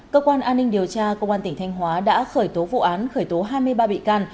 cơ quan an ninh điều tra công an tỉnh thanh hóa đã khởi tố vụ án khởi tố hai mươi ba bị can